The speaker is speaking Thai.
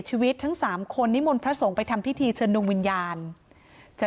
ชีวิตทั้งสามคนนิมนต์พระสงฆ์ไปทำพิธีเชิญดวงวิญญาณจะ